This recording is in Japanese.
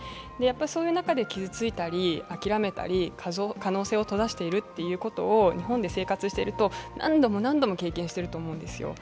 そういう中で傷ついたり、諦めたり可能性を閉ざしているっていうのを日本で生活していると、何度も何度も経験していると思うんですよ。